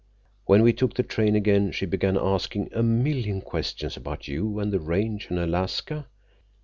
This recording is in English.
When we took the train again, she began askin' a million questions about you and the Range and Alaska.